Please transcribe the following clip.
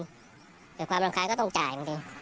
เกิดความรำคาญก็ต้องจ่าย